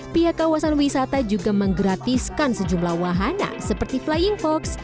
pihak kawasan wisata juga menggratiskan sejumlah wahana seperti flying fox